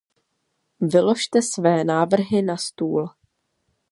Vyložte své návrhy na stůl.